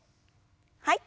はい。